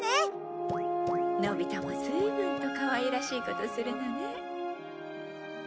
のび太もずいぶんとかわいらしいことするのね。